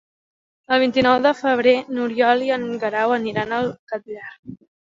El vint-i-nou de febrer n'Oriol i en Guerau aniran al Catllar.